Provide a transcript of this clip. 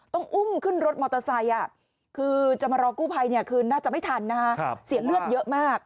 ต้องอุ้มขึ้นรถมอเตอร์ไซค์คือจะมารอกู้ภัยคือน่าจะไม่ทันนะฮะเสียเลือดเยอะมาก